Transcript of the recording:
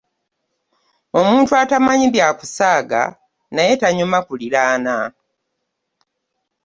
Omuntu atamanyi bya kusaaga naye tanyuma kuliraana.